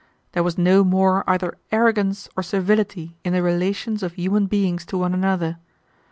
There was no more either arrogance or servility in the relations of human beings to one another.